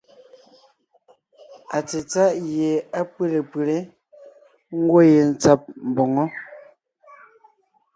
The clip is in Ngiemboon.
Atsetsáʼ gie á pʉ́le pʉlé, ńgwɔ́ yentsǎb mboŋó.